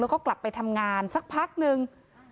แล้วก็กลับไปทำงานสักพักนึง